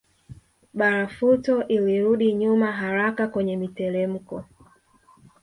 Barafuto ilirudi nyuma haraka kwenye mitelemko